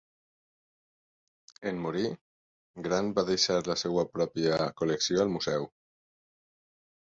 En morir, Grant va deixar la seva pròpia col·lecció al museu.